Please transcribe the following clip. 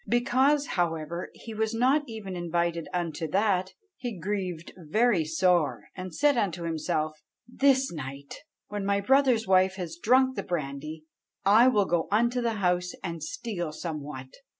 Because, however, he was not even invited unto that, he grieved very sore, and said unto himself, 'This night, when my brother's wife has drunk the brandy, I will go unto the house and steal somewhat.'